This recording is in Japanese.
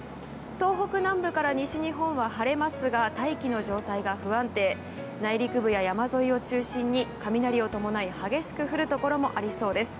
東北南部から西日本、晴れますが大気の状態が不安定内陸部や山沿いを中心に雷を伴い激しく降るところがありそうです。